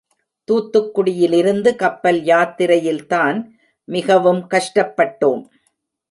தூத்துக்குடியிலிருந்து கப்பல் யாத்திரையில்தான் மிகவும் கஷ்டப்பட்டோம்.